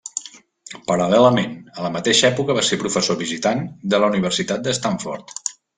Paral·lelament, a la mateixa època va ser professor visitant de la Universitat de Stanford.